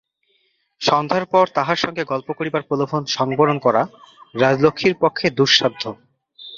সন্ধ্যার পর তাঁহার সঙ্গে গল্প করিবার প্রলোভন সংবরণ করা রাজলক্ষ্মীর পক্ষে দুঃসাধ্য।